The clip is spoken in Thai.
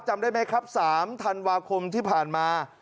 จำได้ไหมครับ๓ธันวาคมที่ผ่านมา